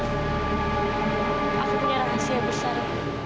aku punya rahasia besar